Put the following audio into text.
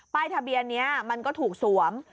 ทะเบียนนี้มันก็ถูกสวม